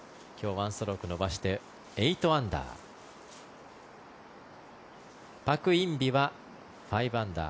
１ストローク伸ばして８アンダー。